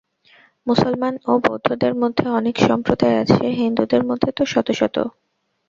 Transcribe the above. মুসলমান ও বৌদ্ধদের মধ্যে অনেক সম্প্রদায় আছে, হিন্দুদের মধ্যে তো শত শত।